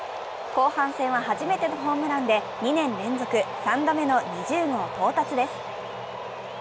後半戦は初めてのホームランで２年連続３度目の２０号到達です。